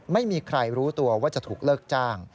ไม่มีใครรู้ตัวว่าจะถูกเลิกจ้าง